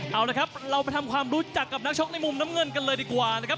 เอาละครับเราไปทำความรู้จักกับนักชกในมุมน้ำเงินกันเลยดีกว่านะครับ